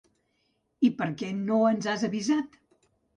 I per què no ens has avisat?